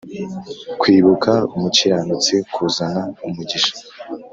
Kwibuka umukiranutsi kuzana umugisha